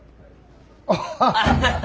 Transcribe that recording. アハハハ。